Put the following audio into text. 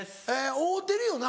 会うてるよな？